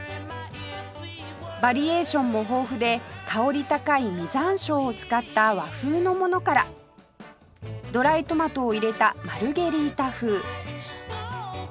バリエーションも豊富で香り高い実山椒を使った和風のものからドライトマトを入れたマルゲリータ風